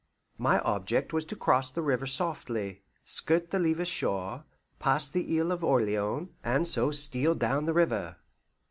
My object was to cross the river softly, skirt the Levis shore, pass the Isle of Orleans, and so steal down the river.